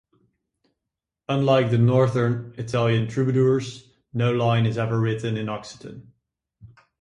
Unlike the Northern Italian troubadours, no line is ever written in Occitan.